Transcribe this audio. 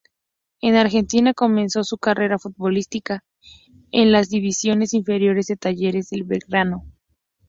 En Argentina comenzó su carrera futbolística en las divisiones inferiores de Talleres de Belgrano.